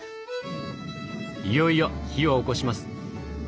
いよいよ火を起こします。